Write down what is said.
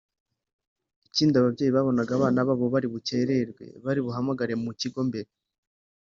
Ikindi ababyeyi babonaga abana babo bari bukererwe bari buhamagare mu kigo mbere